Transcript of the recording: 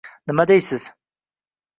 Nima deysiz?